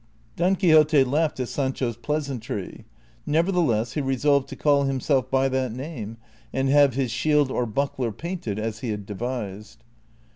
Don Quixote laughed at Sancho's pleasantry ; nevertheless he resolved to call himself by that name, and have his shield or buckler painted as he had devised.